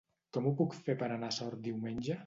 Com ho puc fer per anar a Sort diumenge?